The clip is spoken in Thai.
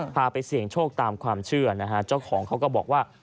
ไปเสี่ยงโชคตามความเชื่อนะฮะเจ้าของเขาก็บอกว่า